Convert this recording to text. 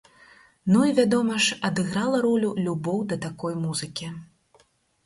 Ну, і, вядома ж, адыграла ролю любоў да такой музыкі.